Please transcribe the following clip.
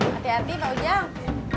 hati hati pak ujang